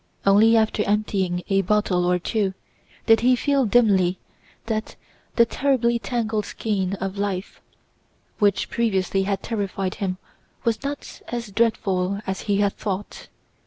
Only after emptying a bottle or two did he feel dimly that the terribly tangled skein of life which previously had terrified him was not as dreadful as he had thought.